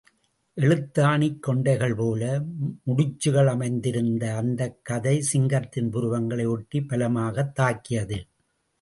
எழுத்தாணிக் கொண்டைகள் போல முடிச்சுகள் அமைந்திருந்த அந்தக் கதை சிங்கத்தின் புருவங்களை ஒட்டி பலமாகத் தாக்கியது.